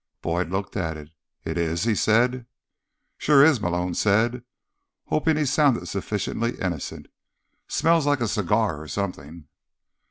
Boyd looked at it. "It is?" he said. "Sure is," Malone said, hoping he sounded sufficiently innocent. "Smells like a cigar or something."